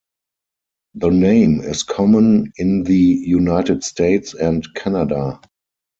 The name is common in the United States and Canada.